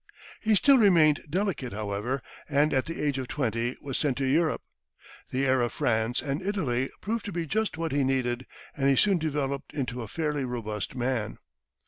He still remained delicate, however, and at the age of twenty was sent to Europe. The air of France and Italy proved to be just what he needed, and he soon developed into a fairly robust man.